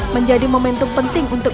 menjadi momentum penting untuk